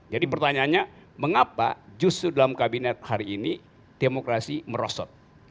jadi pertanyaannya mengapa justru dalam kabinet hari ini demokrasi merosot